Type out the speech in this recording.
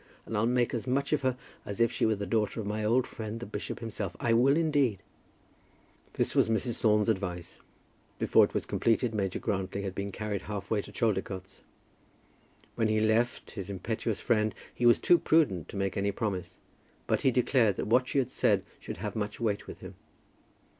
And I'll make as much of her as if she were the daughter of my old friend, the bishop himself, I will indeed." This was Mrs. Thorne's advice. Before it was completed, Major Grantly had been carried half way to Chaldicotes. When he left his impetuous friend he was too prudent to make any promise, but he declared that what she had said should have much weight with him.